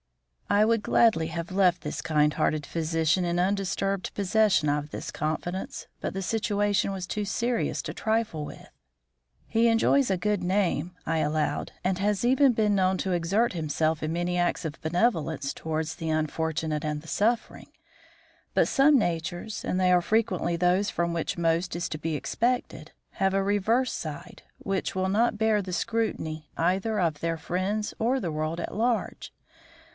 I would gladly have left this kind hearted physician in undisturbed possession of this confidence, but the situation was too serious to trifle with. "He enjoys a good name," I allowed, "and has even been known to exert himself in many acts of benevolence towards the unfortunate and the suffering. But some natures, and they are frequently those from which most is to be expected, have a reverse side, which will not bear the scrutiny either of their friends or the world at large.